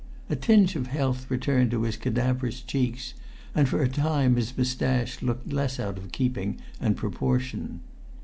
A tinge of health returned to his cadaverous cheeks, and for a time his moustache looked less out of keeping and proportion.